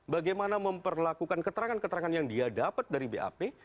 bagaimana memperlakukan keterangan keterangan yang dia dapat dari bap